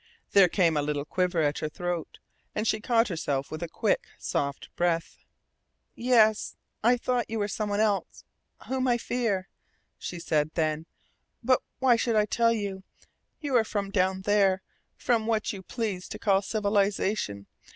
There came a little quiver at her throat, and she caught herself with a quick, soft breath. "Yes, I thought you were some one else whom I fear," she said then. "But why should I tell you? You are from down there, from what you please to call civilization.